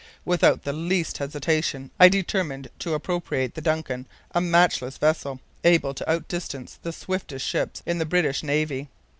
Without the least hesitation I determined to appropriate the DUNCAN, a matchless vessel, able to outdistance the swiftest ships in the British Navy.